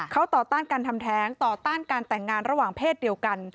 เขาต่อต้านการทำแท้งต่อต้านการแต่งงานระหว่างเพศเดียวกัน